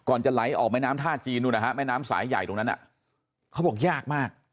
จะไหลออกแม่น้ำท่าจีนนู่นนะฮะแม่น้ำสายใหญ่ตรงนั้นเขาบอกยากมาก